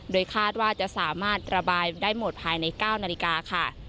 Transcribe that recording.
โดยคาดว่าจะสามารถระบายได้หมดภายใน๙นาฬิกาค่ะ